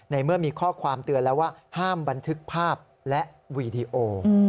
เมื่อมีข้อความเตือนแล้วว่าห้ามบันทึกภาพและวีดีโอ